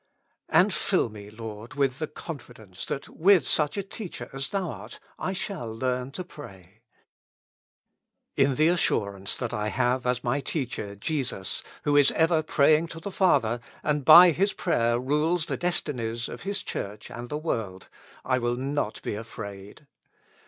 And fill me, Lord, with the confidence that with such a teacher as Thou art I shall learn to pray. 15 With Christ in the School of Prayer. In the assurance that I have as my teacher, Jesus, who is ever praying to the Father, and by His prayer rules the destinies of His Church and the world, I will not be afraid.